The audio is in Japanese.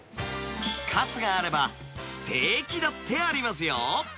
カツがあれば、ステーキだってありますよ。